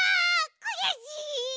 くやしい！